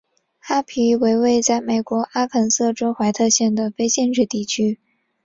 哈皮为位在美国阿肯色州怀特县的非建制地区。